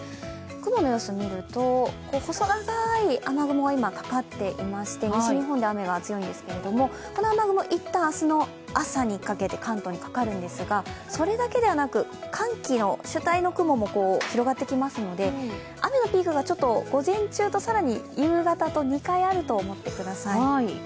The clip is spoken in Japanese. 雲の様子を見ると細長い雨雲が今かかっていまして、西日本で雨が強いんですけどこの雨雲一旦、明日の朝にかけて関東にかかるんですが、それだけではなく寒気の主体の雲も広がってきますので雨のピークが午前中と更に夕方と２回あると思ってください。